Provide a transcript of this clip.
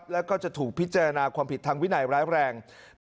และจะถูกพิจารณาความผิดทางวินัยแร้ง